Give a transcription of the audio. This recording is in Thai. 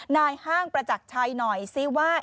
ห้างประจักรชัยหน่อยซิว่า